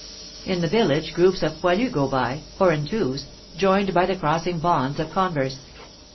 In the village groups of poilus go by, or in twos, joined by the crossing bonds of converse.